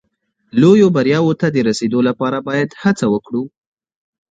لویو بریاوو ته د رسېدو لپاره باید هڅه وکړو.